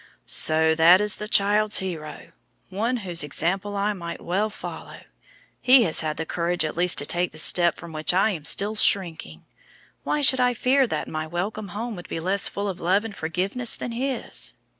"So that is the child's hero! One whose example I might well follow. He has had the courage at last to take the step from which I am still shrinking. Why should I fear that my welcome home would be less full of love and forgiveness than his?"